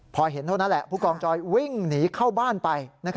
พอเห็นเท่านั้นแหละผู้กองจอยวิ่งหนีเข้าบ้านไป